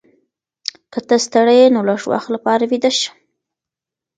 که ته ستړې یې نو لږ وخت لپاره ویده شه.